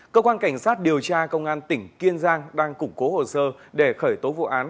cơ quan cảnh sát điều tra công an tỉnh kiên giang đang củng cố hồ sơ để khởi tố vụ án